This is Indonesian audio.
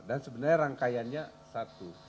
dan sebenarnya rangkaiannya satu